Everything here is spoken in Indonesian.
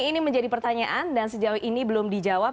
ini menjadi pertanyaan dan sejauh ini belum dijawab